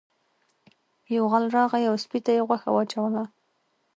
یو غل راغی او سپي ته یې غوښه واچوله.